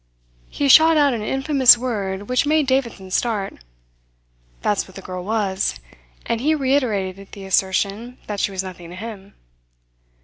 He shot out an infamous word which made Davidson start. That's what the girl was; and he reiterated the assertion that she was nothing to him.